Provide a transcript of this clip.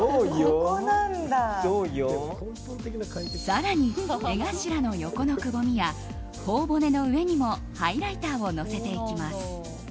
更に、目頭の横のくぼみや頬骨の上にもハイライターをのせていきます。